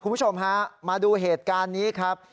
คุณผู้ชมฮะมาดูเหตุการณ์นี้ครับ